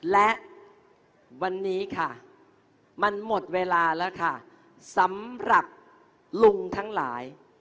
และวันนี้ค่ะมันหมดเวลาแล้วค่ะสำหรับลุงทั้งหลาย